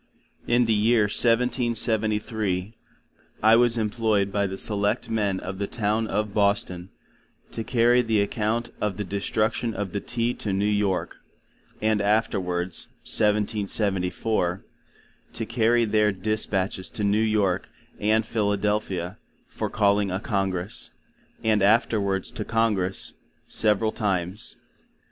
In the year 1773 I was imployed by the Select men of the Town of Boston to carry the Account of the Destruction of the Tea to New York; and afterwards, 1774, to Carry their dispatches to New York and Philadelphia for Calling a Congress; and afterwards to Congress, several times.